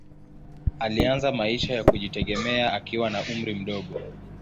Alianza maisha ya kujitegemea akiwa na umri mdogo.